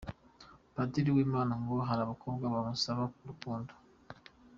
Padiri Uwimana ngo hari abakobwa bamusaba urukundo.